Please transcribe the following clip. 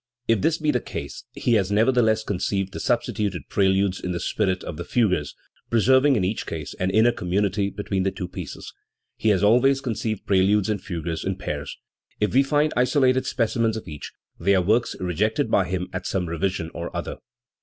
If this be the case, he has nevertheless conceived the substituted preludes in the spirit of the fugues, preserving in each case an inner community between the two pieces, He always conceived preludes and fugues in pairs. If we find isolated specimens of each, they are works rejected by him at some revision or other.